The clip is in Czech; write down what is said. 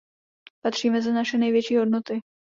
Patří mezi naše největší hodnoty.